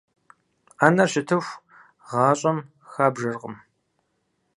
Ӏэнэр щытыху, гъащӀэм хабжэркъым.